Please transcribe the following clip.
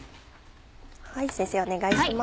先生お願いします。